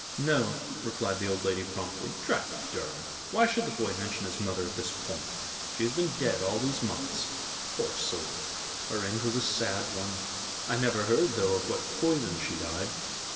"No," replied the old lady, promptly. "Drat you, Durham! why should the boy mention his mother at this point? She has been dead all these months. Poor soul! her end was a sad one. I never heard, though, of what poison she died."